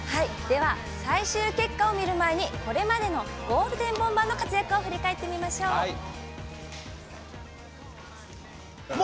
最終結果を見る前にこれまでのゴールデンボンバーの活躍を振り返ってみましょう。